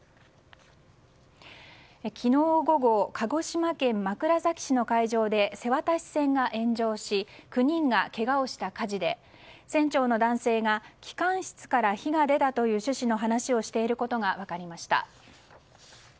昨日午後鹿児島県枕崎市の海上で瀬渡し船が炎上し９人がけがをした火事で船長の男性が機関室から火が出たという趣旨の話をしていることが分かりました。